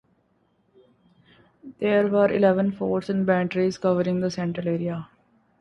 There were eleven forts and batteries covering the central area.